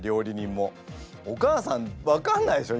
お母さん分かんないでしょ？